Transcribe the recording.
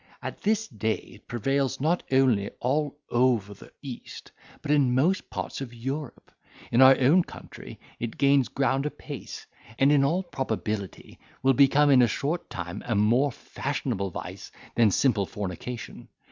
At this day it prevails not only over all the East, but in most parts of Europe; in our own country, it gains ground apace, and in all probability will become in a short time a more, fashionable vice than simple fornication.